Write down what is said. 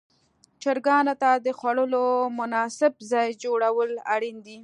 چرګانو ته د خوړلو مناسب ځای جوړول اړین دي.